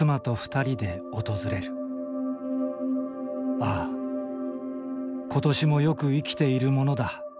ああ今年もよく生きているものだ。